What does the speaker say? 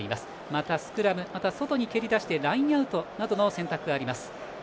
またスクラム、外に蹴り出してラインアウトなどの選択があります。